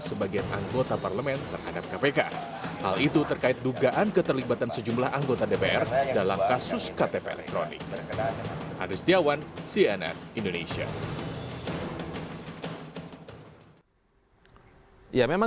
sebagai anggota parlemen terhadap kpk